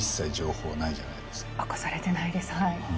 明かされてないです。